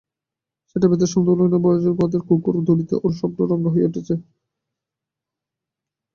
সেই ব্যথায় সন্ধেবেলাকার ব্রজের পথের গোখুর-ধূলিতে ওর স্বপ্ন রাঙা হয়ে উঠেছে।